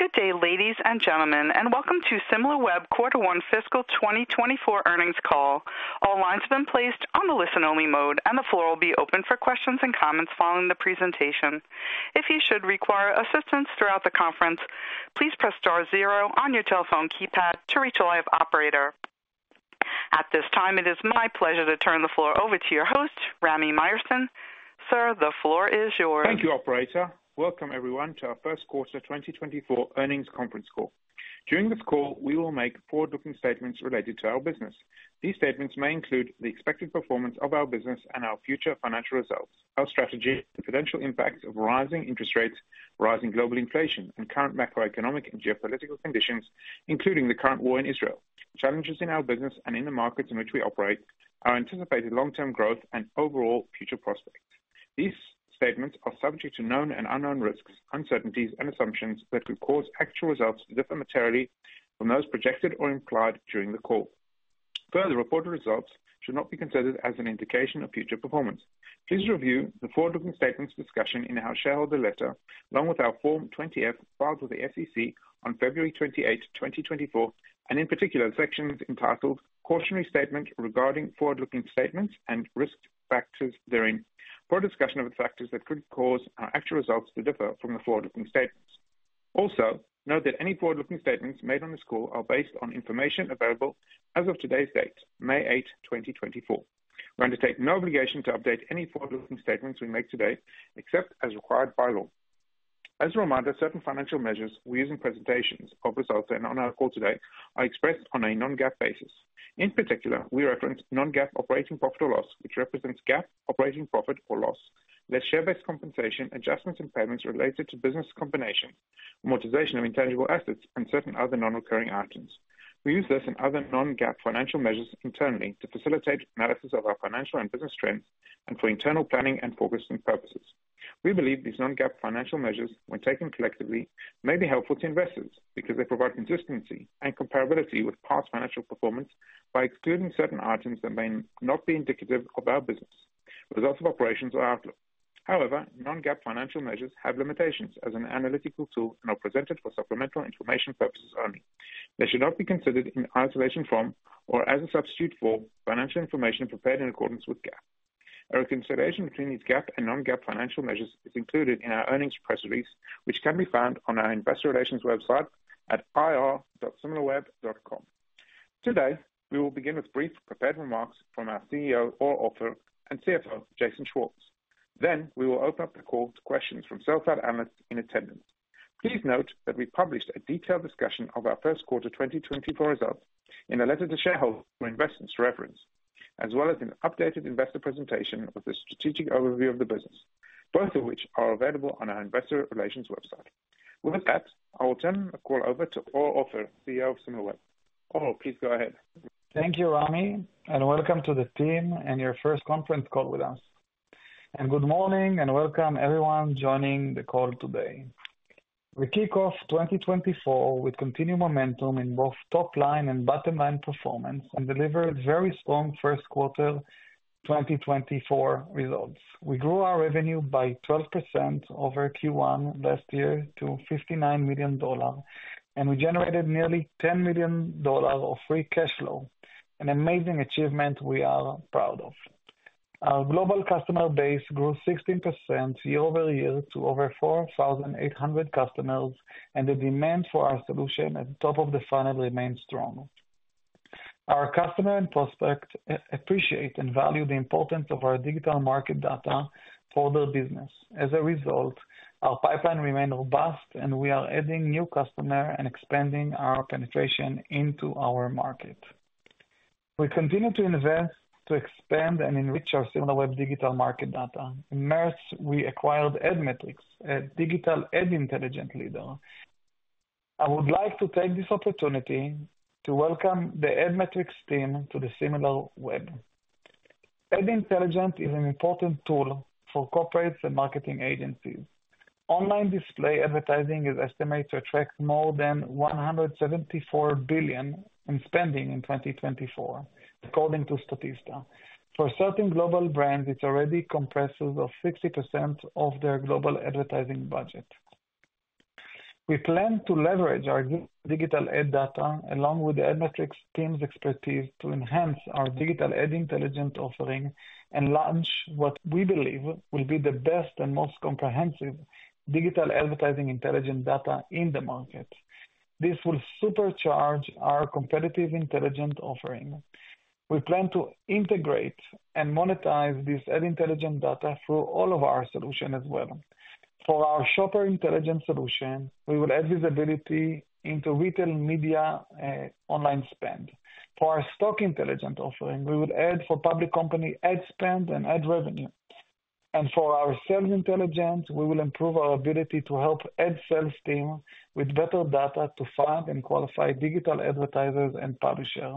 Good day, ladies and gentlemen, and welcome to Similarweb Quarter One Fiscal 2024 Earnings Call. All lines have been placed on the listen-only mode, and the floor will be open for questions and comments following the presentation. If you should require assistance throughout the conference, please press star zero on your telephone keypad to reach a live operator. At this time, it is my pleasure to turn the floor over to your host, Rami Myerson. Sir, the floor is yours. Thank you, operator. Welcome everyone, to our first quarter 2024 earnings conference call. During this call, we will make forward-looking statements related to our business. These statements may include the expected performance of our business and our future financial results, our strategy, the potential impacts of rising interest rates, rising global inflation, and current macroeconomic and geopolitical conditions, including the current war in Israel, challenges in our business and in the markets in which we operate, our anticipated long-term growth and overall future prospects. These statements are subject to known and unknown risks, uncertainties, and assumptions that could cause actual results to differ materially from those projected or implied during the call. Further reported results should not be considered as an indication of future performance. Please review the forward-looking statements discussion in our shareholder letter, along with our Form 20-F, filed with the SEC on February 28, 2024, and in particular, sections entitled "Cautionary Statement Regarding Forward-Looking Statements and Risk Factors therein," for a discussion of the factors that could cause our actual results to differ from the forward-looking statements. Also, note that any forward-looking statements made on this call are based on information available as of today's date, May 8, 2024. We undertake no obligation to update any forward-looking statements we make today, except as required by law. As a reminder, certain financial measures we use in presentations of results and on our call today are expressed on a non-GAAP basis. In particular, we reference non-GAAP operating profit or loss, which represents GAAP operating profit or loss. Net share-based compensation, adjustments and payments related to business combination, amortization of intangible assets, and certain other non-recurring items. We use this and other non-GAAP financial measures internally to facilitate analysis of our financial and business trends and for internal planning and focusing purposes. We believe these non-GAAP financial measures, when taken collectively, may be helpful to investors because they provide consistency and comparability with past financial performance by excluding certain items that may not be indicative of our business, results of operations or outlook. However, non-GAAP financial measures have limitations as an analytical tool and are presented for supplemental information purposes only. They should not be considered in isolation from or as a substitute for financial information prepared in accordance with GAAP. A reconciliation between these GAAP and non-GAAP financial measures is included in our earnings press release, which can be found on our investor relations website at ir.similarweb.com. Today, we will begin with brief prepared remarks from our CEO, Or Offer, and CFO, Jason Schwartz. Then we will open up the call to questions from sell-side analysts in attendance. Please note that we published a detailed discussion of our first quarter 2024 results in a letter to shareholders for investors' reference, as well as an updated investor presentation with a strategic overview of the business, both of which are available on our investor relations website. With that, I will turn the call over to Or Offer, CEO of Similarweb. Or, please go ahead. Thank you, Rami, and welcome to the team and your first conference call with us. And good morning, and welcome everyone joining the call today. We kick off 2024 with continued momentum in both top line and bottom line performance, and delivered very strong first quarter 2024 results. We grew our revenue by 12% over Q1 last year to $59 million, and we generated nearly $10 million of free cash flow, an amazing achievement we are proud of. Our global customer base grew 16% year-over-year to over 4,800 customers, and the demand for our solution at the top of the funnel remains strong. Our customer and prospect appreciate and value the importance of our digital market data for their business. As a result, our pipeline remain robust, and we are adding new customer and expanding our penetration into our market. We continue to invest, to expand and enrich our Similarweb digital market data. In March, we acquired Admetricks, a digital ad intelligence leader. I would like to take this opportunity to welcome the Admetricks team to the Similarweb. Ad intelligence is an important tool for corporates and marketing agencies. Online display advertising is estimated to attract more than $174 billion in spending in 2024, according to Statista. For certain global brands, it already comprises of 60% of their global advertising budget. We plan to leverage our digital ad data, along with the Admetricks team's expertise, to enhance our digital ad intelligence offering and launch what we believe will be the best and most comprehensive digital advertising intelligence data in the market. This will supercharge our competitive intelligence offering. We plan to integrate and monetize this Ad Intelligence data through all of our solutions as well. For our Shopper Intelligence solution, we will add visibility into retail media, online spend. For our Stock Intelligence offering, we will add for public company ad spend and ad revenue. And for our Sales Intelligence, we will improve our ability to help ad sales teams with better data to find and qualify digital advertisers and publishers.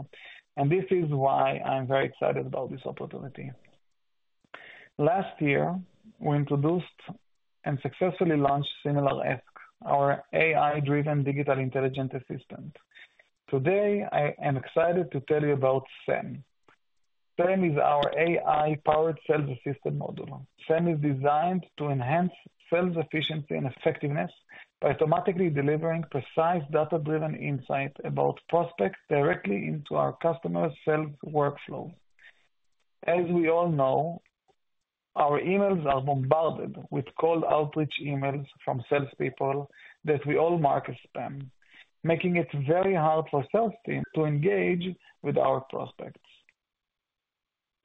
And this is why I'm very excited about this opportunity. Last year, we introduced and successfully launched SimilarAsk, our AI-driven digital intelligent assistant. Today, I am excited to tell you about SAM. SAM is our AI-powered Sales Assistant Module. SAM is designed to enhance sales efficiency and effectiveness by automatically delivering precise data-driven insights about prospects directly into our customers' sales workflow. As we all know, our emails are bombarded with cold outreach emails from salespeople that we all mark as spam, making it very hard for sales teams to engage with our prospects.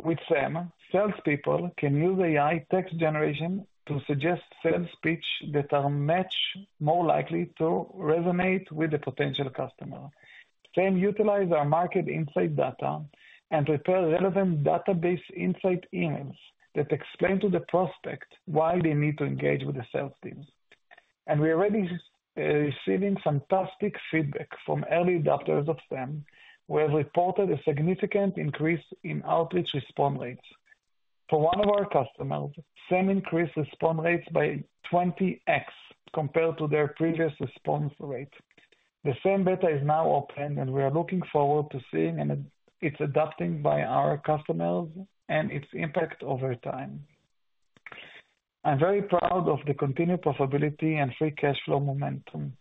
With SAM, salespeople can use AI text generation to suggest sales speech that are much more likely to resonate with the potential customer. SAM utilize our market insight data and prepare relevant database insight emails that explain to the prospect why they need to engage with the sales team. And we are already receiving fantastic feedback from early adopters of SAM, who have reported a significant increase in outreach response rates. For one of our customers, SAM increased response rates by 20x compared to their previous response rate. The SAM beta is now open, and we are looking forward to seeing its adapting by our customers and its impact over time. I'm very proud of the continued profitability and free cash flow momentum.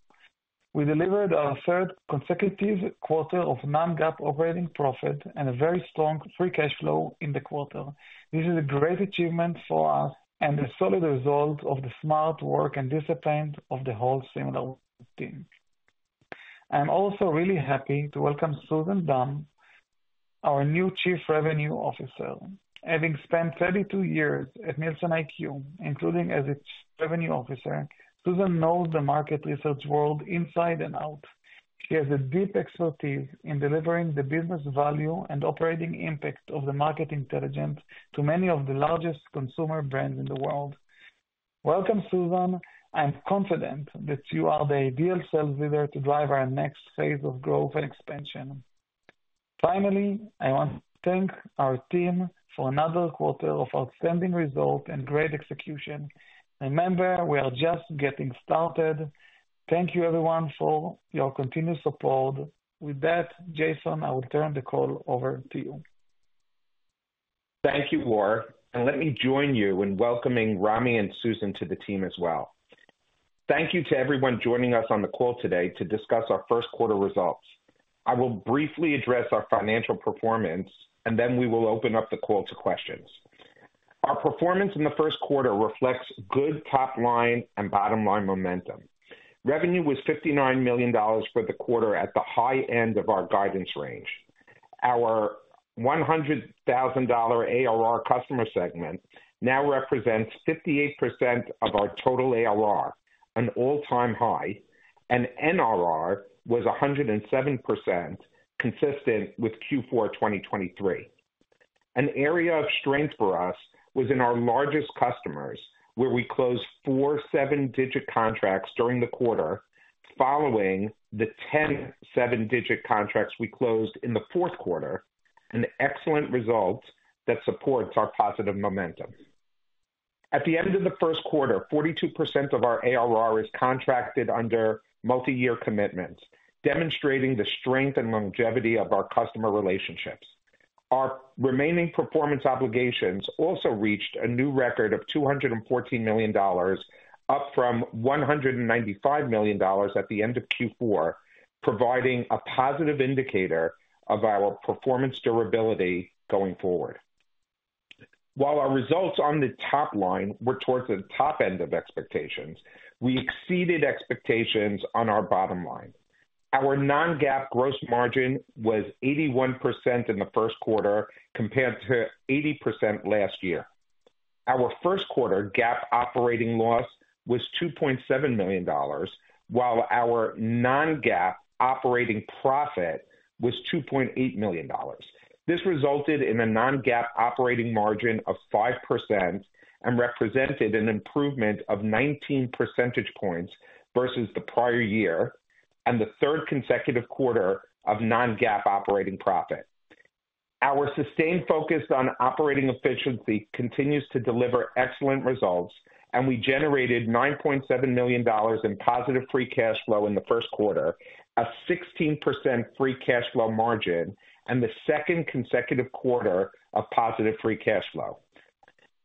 We delivered our third consecutive quarter of non-GAAP operating profit and a very strong free cash flow in the quarter. This is a great achievement for us and a solid result of the smart work and discipline of the whole Similarweb team. I'm also really happy to welcome Susan Dunn, our new Chief Revenue Officer. Having spent 32 years at NielsenIQ, including as its revenue officer, Susan knows the market research world inside and out. She has a deep expertise in delivering the business value and operating impact of the market intelligence to many of the largest consumer brands in the world. Welcome, Susan. I'm confident that you are the ideal sales leader to drive our next phase of growth and expansion. Finally, I want to thank our team for another quarter of outstanding results and great execution. Remember, we are just getting started. Thank you, everyone, for your continued support. With that, Jason, I will turn the call over to you. Thank you, Or, and let me join you in welcoming Rami and Susan to the team as well. Thank you to everyone joining us on the call today to discuss our first quarter results. I will briefly address our financial performance, and then we will open up the call to questions. Our performance in the first quarter reflects good top line and bottom line momentum. Revenue was $59 million for the quarter at the high end of our guidance range. Our $100,000 ARR customer segment now represents 58% of our total ARR, an all-time high, and NRR was 107%, consistent with Q4 2023. An area of strength for us was in our largest customers, where we closed four seven-digit contracts during the quarter, following the 10 seven-digit contracts we closed in the fourth quarter, an excellent result that supports our positive momentum. At the end of the first quarter, 42% of our ARR is contracted under multi-year commitments, demonstrating the strength and longevity of our customer relationships. Our remaining performance obligations also reached a new record of $214 million, up from $195 million at the end of Q4, providing a positive indicator of our performance durability going forward. While our results on the top line were towards the top end of expectations, we exceeded expectations on our bottom line. Our non-GAAP gross margin was 81% in the first quarter, compared to 80% last year. Our first quarter GAAP operating loss was $2.7 million, while our non-GAAP operating profit was $2.8 million. This resulted in a non-GAAP operating margin of 5% and represented an improvement of 19 percentage points versus the prior year, and the third consecutive quarter of non-GAAP operating profit. Our sustained focus on operating efficiency continues to deliver excellent results, and we generated $9.7 million in positive free cash flow in the first quarter, a 16% free cash flow margin, and the second consecutive quarter of positive free cash flow.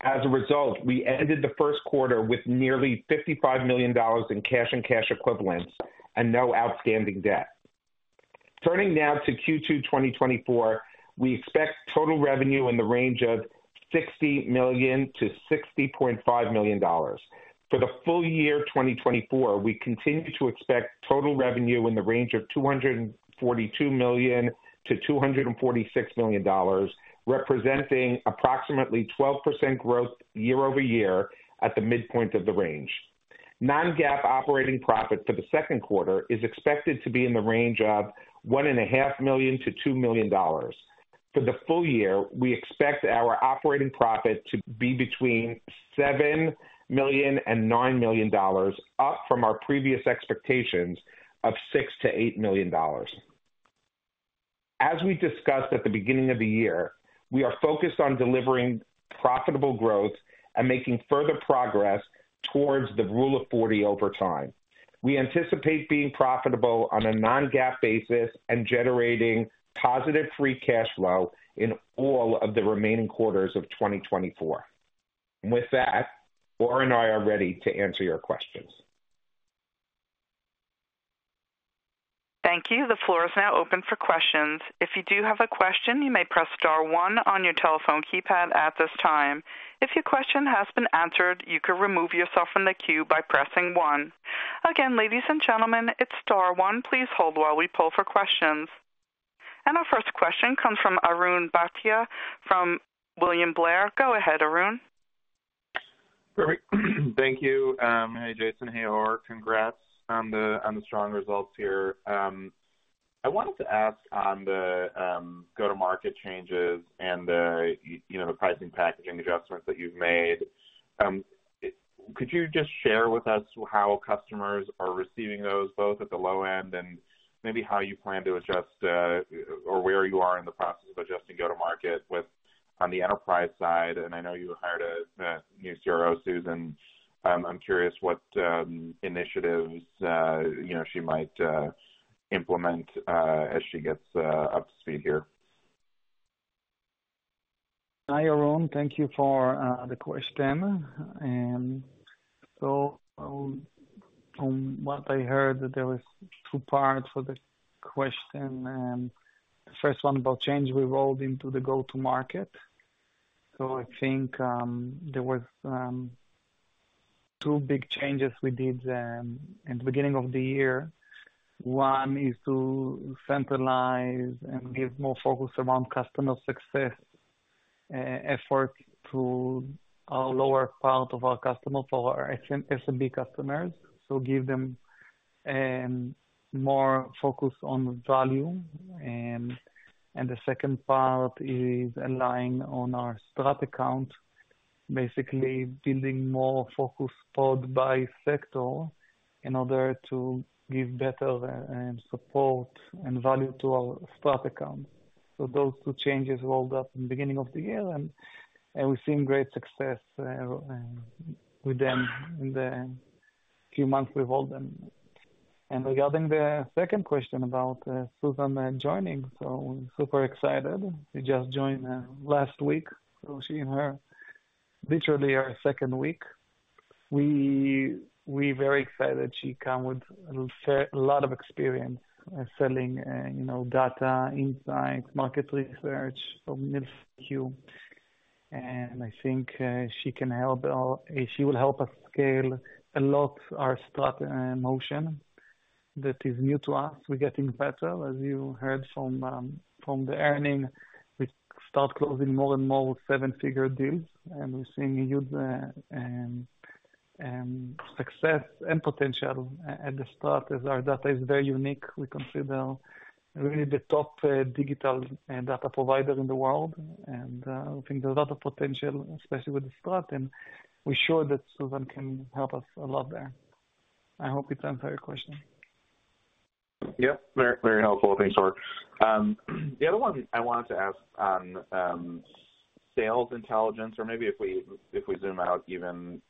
As a result, we ended the first quarter with nearly $55 million in cash and cash equivalents and no outstanding debt. Turning now to Q2 2024, we expect total revenue in the range of $60 million-$60.5 million. For the full year 2024, we continue to expect total revenue in the range of $242 million-$246 million, representing approximately 12% growth year-over-year at the midpoint of the range. Non-GAAP operating profit for the second quarter is expected to be in the range of $1.5 million-$2 million. For the full year, we expect our operating profit to be between $7 million and $9 million, up from our previous expectations of $6 million-$8 million. As we discussed at the beginning of the year, we are focused on delivering profitable growth and making further progress towards the Rule of 40 over time. We anticipate being profitable on a Non-GAAP basis and generating positive free cash flow in all of the remaining quarters of 2024. With that, Or and I are ready to answer your questions. Thank you. The floor is now open for questions. If you do have a question, you may press star one on your telephone keypad at this time. If your question has been answered, you can remove yourself from the queue by pressing one. Again, ladies and gentlemen, it's star one. Please hold while we pull for questions. Our first question comes from Arjun Bhatia from William Blair. Go ahead, Arjun. Perfect. Thank you. Hi, Jason. Hey, Or. Congrats on the strong results here. I wanted to ask on the go-to-market changes and the, you know, the pricing packaging adjustments that you've made. Could you just share with us how customers are receiving those, both at the low end and maybe how you plan to adjust, or where you are in the process of adjusting go-to-market with, on the enterprise side? And I know you hired a new CRO, Susan. I'm curious what initiatives, you know, she might implement, as she gets up to speed here. Hi, Arjun. Thank you for the question. From what I heard, that there was two parts for the question. First one about change we rolled into the go-to-market. So I think, there was two big changes we did in the beginning of the year. One is to centralize and give more focus around customer success effort to our lower part of our customers, for our SMB customers. So give them more focus on value. And the second part is aligning on our strategic account, basically building more focus product by sector in order to give better support and value to our strategic account. So those two changes rolled up in the beginning of the year, and we've seen great success with them in the few months we've rolled them. And regarding the second question about Susan joining, so super excited. She just joined last week, so she in her, literally her second week. We very excited. She come with a lot of experience selling, you know, data, insights, market research from NielsenIQ. And I think she can help our... She will help us scale a lot our strat motion that is new to us. We're getting better, as you heard from the earnings. We start closing more and more seven-figure deals, and we're seeing huge success and potential at the start, as our data is very unique. We consider really the top digital and data provider in the world, and I think there's a lot of potential, especially with the strat, and we're sure that Susan can help us a lot there. I hope it answers your question. Yep, very, very helpful. Thanks, Or. The other one I wanted to ask on, Sales Intelligence, or maybe if we zoom out even,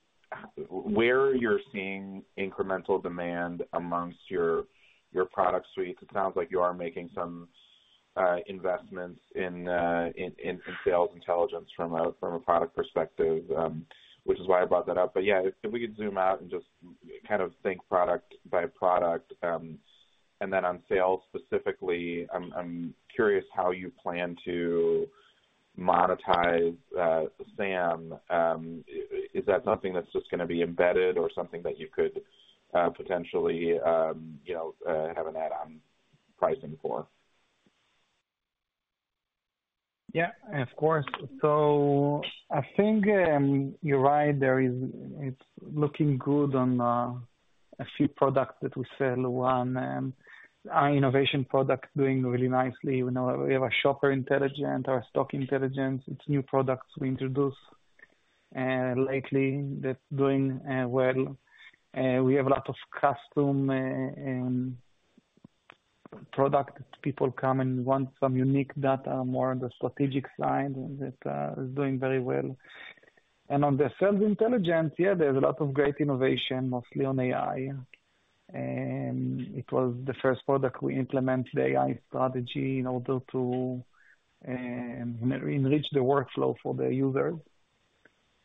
where you're seeing incremental demand among your product suites. It sounds like you are making some investments in Sales Intelligence from a product perspective, which is why I brought that up. But, yeah, if we could zoom out and just kind of think product by product, and then on sales specifically, I'm curious how you plan to monetize SAM. Is that something that's just going to be embedded or something that you could potentially, you know, have an add-on pricing for? Yeah, of course. So I think, you're right, it's looking good on a few products that we sell. One, our innovation product is doing really nicely. We now have Shopper Intelligence, our Stock Intelligence. It's new products we introduced lately that's doing well. We have a lot of custom product. People come and want some unique data, more on the strategic side, and that is doing very well. And on the Sales Intelligence, yeah, there's a lot of great innovation, mostly on AI, and it was the first product we implemented AI strategy in order to enrich the workflow for the user.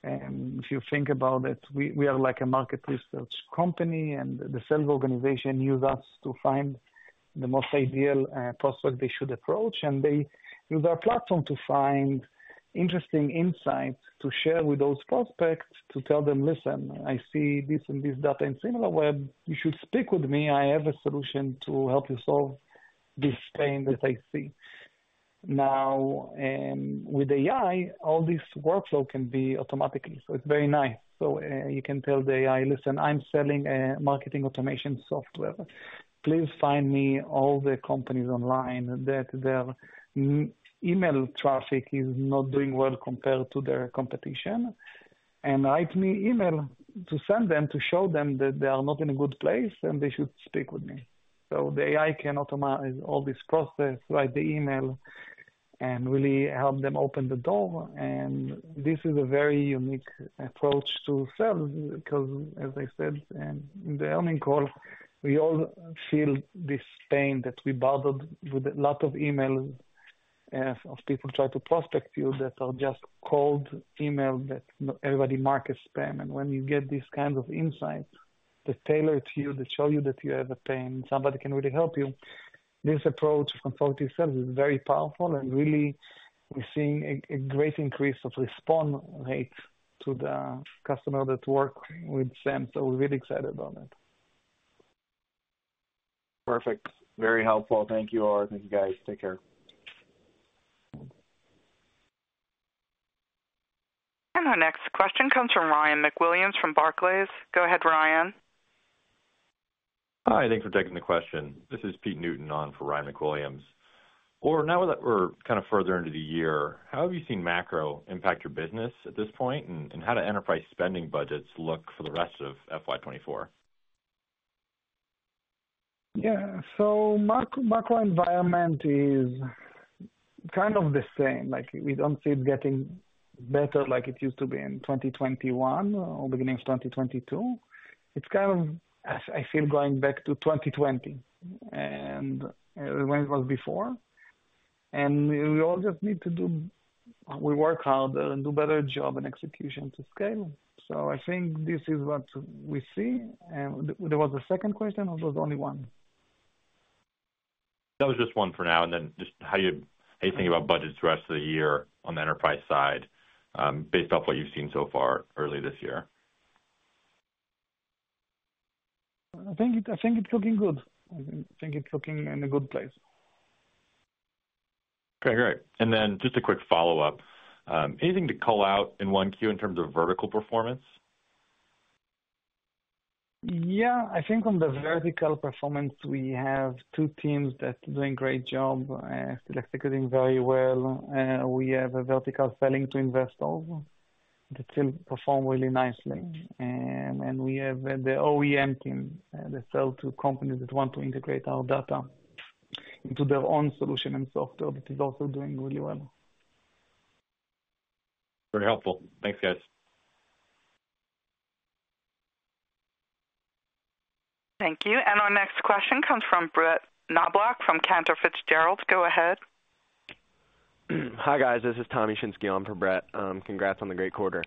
And if you think about it, we are like a market research company, and the sales organization use us to find the most ideal prospect they should approach. They use our platform to find interesting insights, to share with those prospects, to tell them, "Listen, I see this and this data in Similarweb. You should speak with me. I have a solution to help you solve this pain that I see." Now, with AI, all this workflow can be automatically, so it's very nice. You can tell the AI, "Listen, I'm selling a marketing automation software. Please find me all the companies online that their email traffic is not doing well compared to their competition, and write me email to send them, to show them that they are not in a good place, and they should speak with me." The AI can automate all this process, write the email, and really help them open the door. This is a very unique approach to sales, because as I said, in the earnings call, we all feel this pain that we bothered with a lot of emails of people try to prospect you that are just cold email, that everybody markets spam. When you get these kinds of insights that tailor to you, that show you that you have a pain, somebody can really help you. This approach for the seller is very powerful, and really we're seeing a great increase of response rate to the customer that work with SAM. So we're really excited about it. Perfect. Very helpful. Thank you, Or. Thank you, guys. Take care. Our next question comes from Ryan McWilliams from Barclays. Go ahead, Ryan. Hi, thanks for taking the question. This is Pete Newton on for Ryan McWilliams. Or, now that we're kind of further into the year, how have you seen macro impact your business at this point? And, and how do enterprise spending budgets look for the rest of FY 2024? Yeah. So macro, macro environment is kind of the same, like we don't see it getting better like it used to be in 2021 or beginning of 2022. It's kind of, I, I feel, going back to 2020 and, when it was before, and we all just need to do. We work harder and do better job and execution to scale. So I think this is what we see. And there was a second question, or was only one? That was just one for now, and then just how you, how you think about budgets the rest of the year on the enterprise side, based off what you've seen so far early this year. I think, I think it's looking good. I think it's looking in a good place. Okay, great. And then just a quick follow-up. Anything to call out in 1Q in terms of vertical performance? Yeah, I think on the vertical performance, we have two teams that are doing a great job. E-commerce doing very well, we have a vertical selling to investors also, that still perform really nicely. And we have the OEM team, that sell to companies that want to integrate our data into their own solution and software. That is also doing really well. Very helpful. Thanks, guys. Thank you. Our next question comes from Brett Knoblauch from Cantor Fitzgerald. Go ahead. Hi, guys, this is Thomas Shinske on for Brett. Congrats on the great quarter.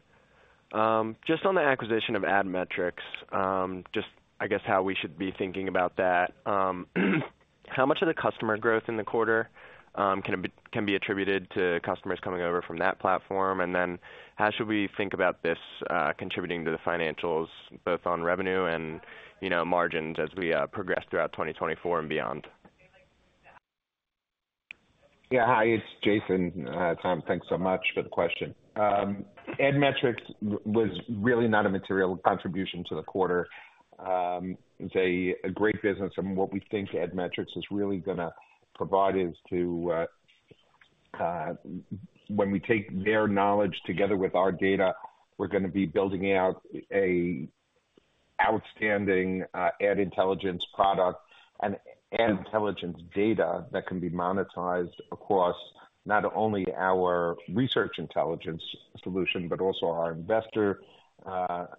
Just on the acquisition of Admetricks, just, I guess, how we should be thinking about that. How much of the customer growth in the quarter can be attributed to customers coming over from that platform? And then how should we think about this contributing to the financials, both on revenue and, you know, margins as we progress throughout 2024 and beyond? Yeah. Hi, it's Jason. Tom, thanks so much for the question. Admetricks was really not a material contribution to the quarter. It's a great business, and what we think Admetricks is really gonna provide is to when we take their knowledge together with our data, we're gonna be building out an outstanding Ad Intelligence product and Ad Intelligence data that can be monetized across not only our research intelligence solution, but also our Investor Intelligence,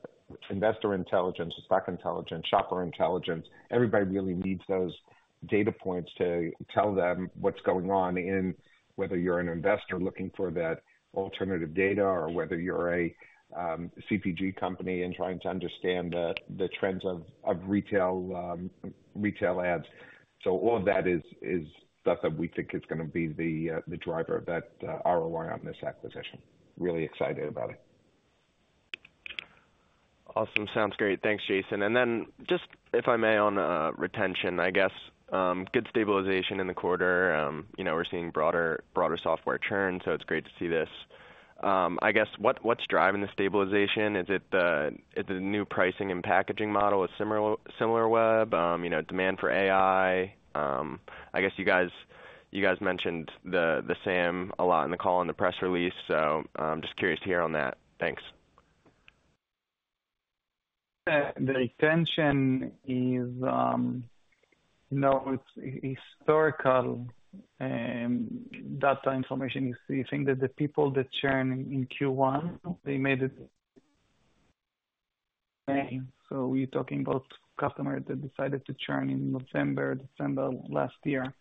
Investor Intelligence, Stock Intelligence, Shopper Intelligence. Everybody really needs those data points to tell them what's going on in whether you're an investor looking for that alternative data, or whether you're a CPG company and trying to understand the trends of retail ads. So all of that is stuff that we think is gonna be the driver of that, ROI on this acquisition. Really excited about it. Awesome. Sounds great. Thanks, Jason. And then just, if I may, on retention, I guess good stabilization in the quarter. You know, we're seeing broader, broader software churn, so it's great to see this. I guess what, what's driving the stabilization? Is it the, is the new pricing and packaging model with Similarweb? You know, demand for AI? I guess you guys, you guys mentioned the, the SAM a lot in the call and the press release, so I'm just curious to hear on that. Thanks. The retention is, you know, it's historical data information. You think that the people that churn in Q1, they made it. So we're talking about customers that decided to churn in November, December last year.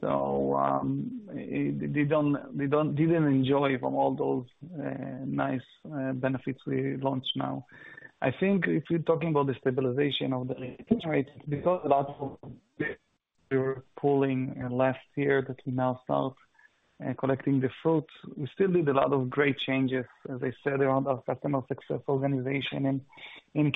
So, they don't, they don't -- didn't enjoy from all those nice benefits we launched now. I think if you're talking about the stabilization of the retention rate, because a lot of we were pulling last year that we now start collecting the fruits, we still did a lot of great changes, as I said, around our customer success organization and in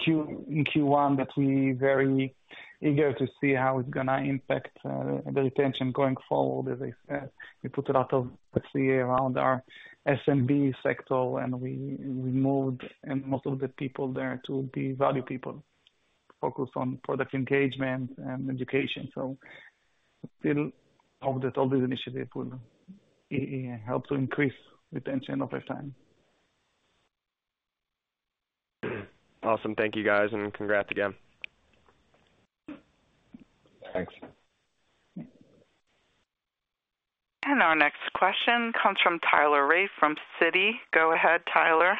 Q1, that we very eager to see how it's gonna impact the retention going forward. As I said, we put a lot of RCA around our SMB sector, and we moved most of the people there to be value people, focused on product engagement and education. So we still hope that all these initiatives will help to increase retention over time. Awesome. Thank you, guys, and congrats again. Thanks. Our next question comes from Tyler Radke from Citi. Go ahead, Tyler....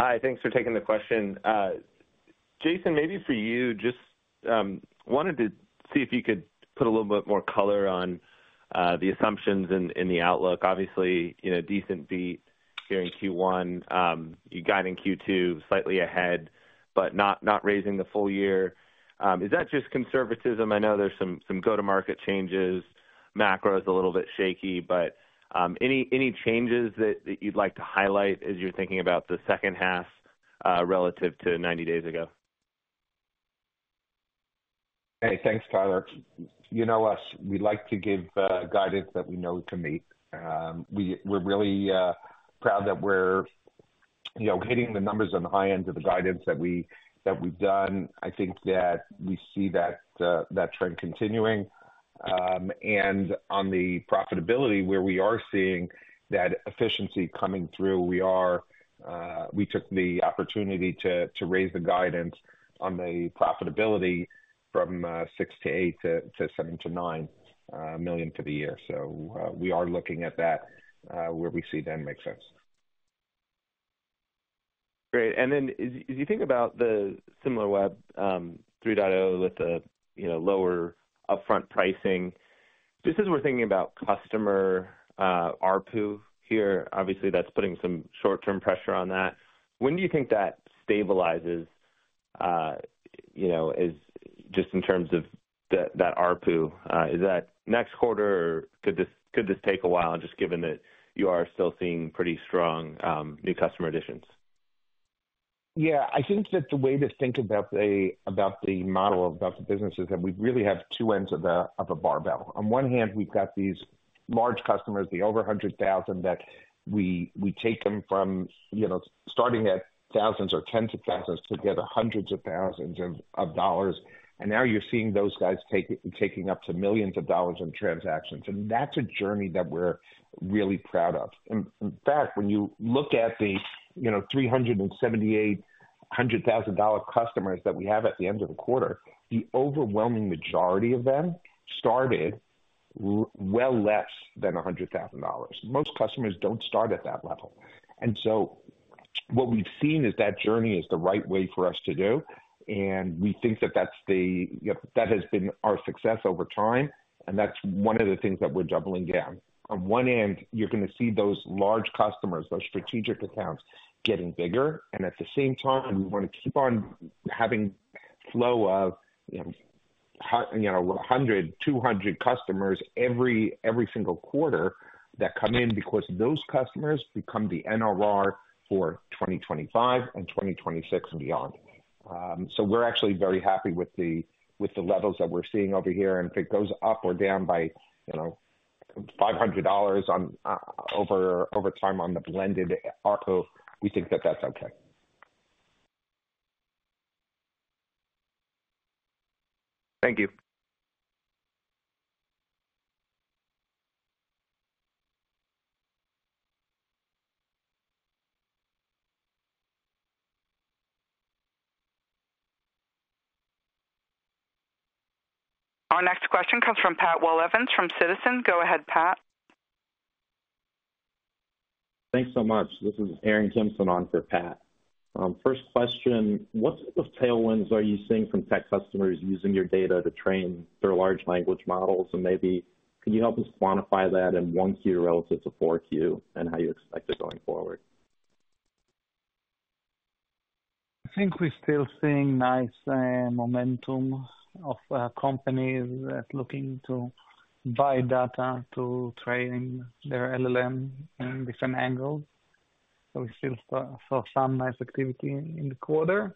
Hi, thanks for taking the question. Jason, maybe for you, just wanted to see if you could put a little bit more color on the assumptions in the outlook. Obviously, you know, decent beat here in Q1. You guiding Q2 slightly ahead, but not raising the full year. Is that just conservatism? I know there's some go-to-market changes. Macro is a little bit shaky, but any changes that you'd like to highlight as you're thinking about the second half, relative to 90 days ago? Hey, thanks, Tyler. You know us, we like to give guidance that we know to meet. We're really proud that we're, you know, hitting the numbers on the high end of the guidance that we've done. I think that we see that trend continuing. And on the profitability, where we are seeing that efficiency coming through, we took the opportunity to raise the guidance on the profitability from $6-$8 million to $7-$9 million for the year. So, we are looking at that, where we see them make sense. Great. And then as you think about the Similarweb 3.0 with the, you know, lower upfront pricing, just as we're thinking about customer ARPU here, obviously that's putting some short-term pressure on that. When do you think that stabilizes, you know, as just in terms of that ARPU? Is that next quarter, or could this take a while, just given that you are still seeing pretty strong new customer additions? Yeah, I think that the way to think about the, about the model, about the business is that we really have two ends of a, of a barbell. On one hand, we've got these large customers, the over $100,000, that we, we take them from, you know, starting at thousands or tens of thousands, to get hundreds of thousands of, of dollars. And now you're seeing those guys taking up to millions of dollars in transactions, and that's a journey that we're really proud of. In fact, when you look at the, you know, 378 $100,000 customers that we have at the end of the quarter, the overwhelming majority of them started well less than $100,000. Most customers don't start at that level. What we've seen is that journey is the right way for us to do, and we think that that's the, you know, that has been our success over time, and that's one of the things that we're doubling down. On one end, you're gonna see those large customers, those strategic accounts, getting bigger, and at the same time, we want to keep on having flow of, you know, 100, 200 customers every single quarter that come in, because those customers become the NRR for 2025 and 2026 and beyond. So we're actually very happy with the levels that we're seeing over here, and if it goes up or down by, you know, $500 over time on the blended ARPU, we think that that's okay. Thank you. Our next question comes from Patrick Walravens from Citizens. Go ahead, Patrick. Thanks so much. This is Aaron Kimson on for Pat. First question: What sort of tailwinds are you seeing from tech customers using your data to train their large language models? And maybe can you help us quantify that in 1Q relative to 4Q and how you expect it going forward? I think we're still seeing nice momentum of companies that looking to buy data to train their LLM in different angles. So we still saw some nice activity in the quarter.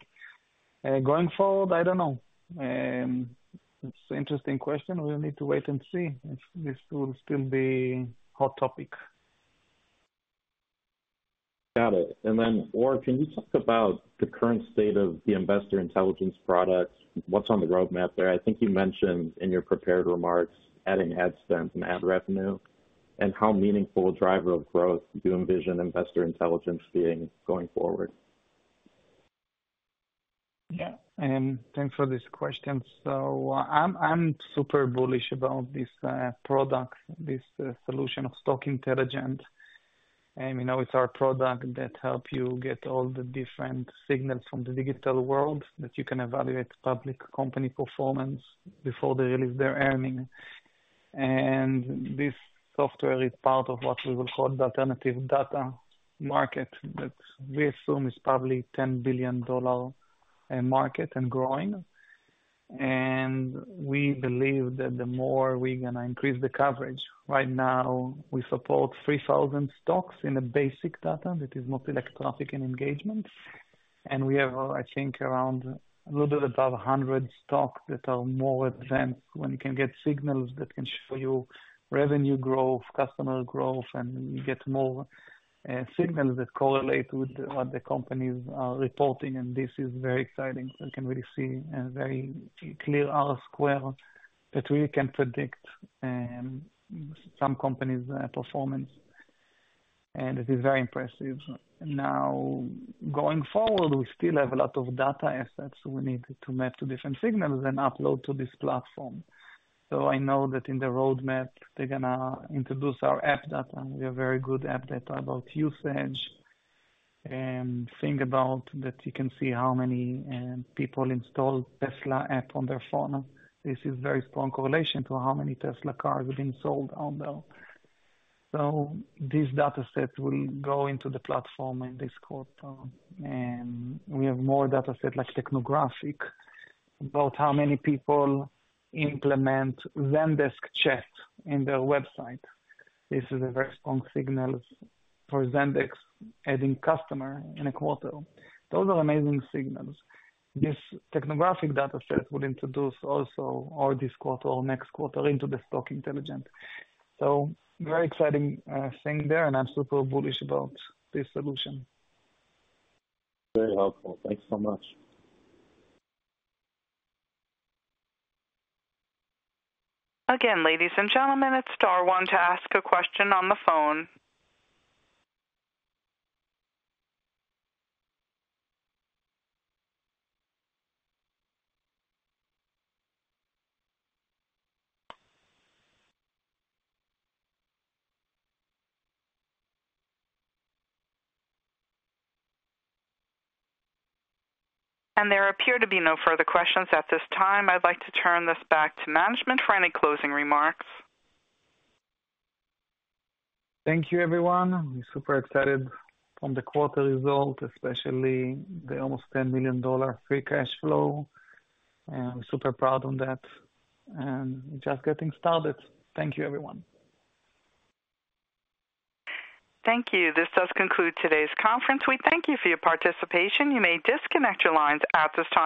Going forward, I don't know. It's an interesting question. We'll need to wait and see if this will still be hot topic. Got it. And then, Or, can you talk about the current state of the Investor Intelligence product? What's on the roadmap there? I think you mentioned in your prepared remarks, adding ad spend and ad revenue, and how meaningful driver of growth do you envision Investor Intelligence being going forward? Yeah, and thanks for this question. So I'm super bullish about this product, this solution of Stock Intelligence. And, you know, it's our product that help you get all the different signals from the digital world, that you can evaluate public company performance before they release their earnings. And this software is part of what we will call the alternative data market, that we assume is probably $10 billion market and growing. And we believe that the more we're gonna increase the coverage. Right now, we support 3,000 stocks in the basic data, that is mostly like traffic and engagement. And we have, I think, around a little bit above 100 stocks that are more advanced, when you can get signals that can show you revenue growth, customer growth, and you get more signals that correlate with what the companies are reporting. This is very exciting, and can really see a very clear R-squared, that we can predict some companies' performance, and it is very impressive. Now, going forward, we still have a lot of data assets we need to map to different signals and upload to this platform. So I know that in the roadmap, they're gonna introduce our app data. We have very good app data about usage, and think about that you can see how many people install Tesla app on their phone. This is very strong correlation to how many Tesla cars are being sold out now. So these data sets will go into the platform in this quarter, and we have more data set, like technographic, about how many people implement Zendesk chat in their website. This is a very strong signal for Zendesk adding customer in a quarter. Those are amazing signals. This technographic data set would introduce also or this quarter or next quarter into the Stock Intelligence. So very exciting thing there, and I'm super bullish about this solution. Very helpful. Thanks so much. Again, ladies and gentlemen, it's star one to ask a question on the phone. There appear to be no further questions at this time. I'd like to turn this back to management for any closing remarks. Thank you, everyone. I'm super excited on the quarter result, especially the almost $10 million Free Cash Flow, and I'm super proud on that, and we're just getting started. Thank you, everyone. Thank you. This does conclude today's conference. We thank you for your participation. You may disconnect your lines at this time.